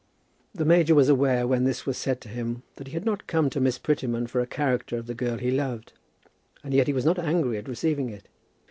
The major was aware when this was said to him that he had not come to Miss Prettyman for a character of the girl he loved; and yet he was not angry at receiving it.